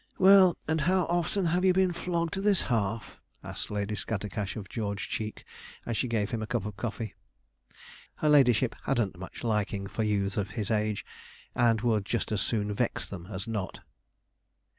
'Well, and how often have you been flogged this half?' asked Lady Scattercash of George Cheek, as she gave him a cup of coffee. Her ladyship hadn't much liking for youths of his age, and would just as soon vex them as not.